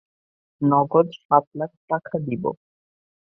নগদ সাত লাখ টাকা দিব।